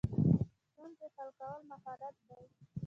ستونزې حل کول مهارت دی